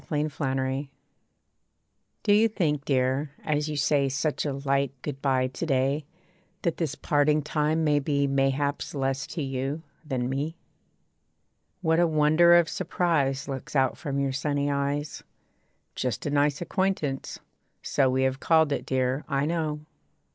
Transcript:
A MAN'S GOOD BYE Do you think, dear, as you say Such a light good bye to day, That this parting time may be Mayhaps less to you, than me? What a wonder of surprise Looks out from your sunny eyes. 'Just a nice acquaintance.' So We have called it, dear, I know.